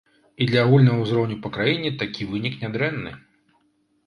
І для агульнага ўзроўню па краіне такі вынік нядрэнны!